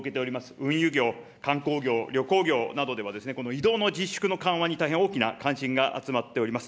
運輸業、観光業、旅行業などでは、この移動の自粛の緩和に大変大きな関心が集まっております。